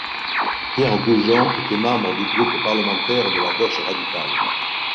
Pierre Goujon était membre du groupe parlementaire de la Gauche radicale.